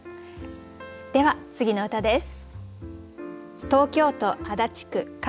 では次の歌です。